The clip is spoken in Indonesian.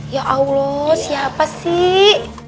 ya allah siapa sih